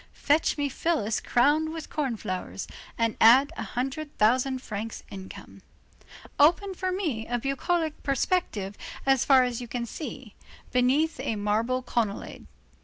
Fetch me Phyllis crowned with corn flowers, and add a hundred thousand francs income. Open for me a bucolic perspective as far as you can see, beneath a marble colonnade.